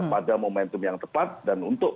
pada momentum yang tepat dan untuk